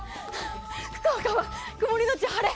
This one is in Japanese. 福岡は曇りのうち晴れ。